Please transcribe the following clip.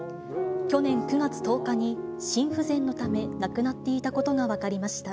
去年９月１０日に、心不全のため、亡くなっていたことが分かりました。